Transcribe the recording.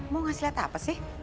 mau ngasih lihat apa sih